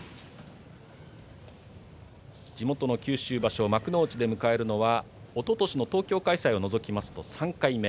地元の九州場所を幕内で迎えるのは、おととしの東京開催を除きますと３回目。